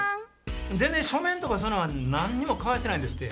全然書面とかそういうのは何も交わしてないんですって。